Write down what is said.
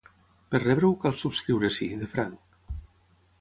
Per rebre-ho, cal subscriure-s’hi, de franc.